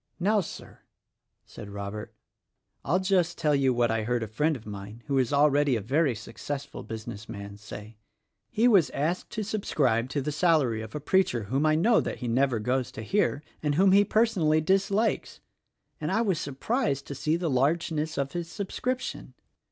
"Now, Sir," said Robert, "I'll just tell you what I heard a friend of mine — who is already a very successful business man — say. He was asked to subscribe to the salary of a preacher whom I know that he never goes to hear — and whom he personally dislikes, — and I was surprised to see the largeness of his subscription.